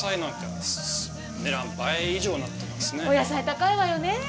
お野菜高いわよね。